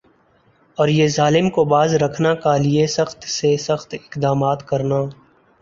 اور یِہ ظالم کو باز رکھنا کا لئے سخت سے سخت اقدامات کرنا